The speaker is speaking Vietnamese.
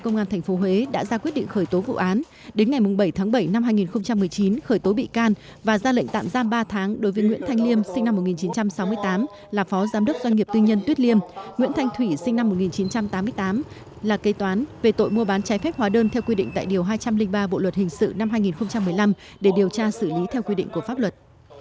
nguyễn thanh thủy sinh năm một nghìn chín trăm tám mươi tám là cây toán về tội mua bán trái phép hóa đơn theo quy định tại điều hai trăm linh ba bộ luật hình sự năm hai nghìn một mươi năm để điều tra xử lý theo quy định của pháp luật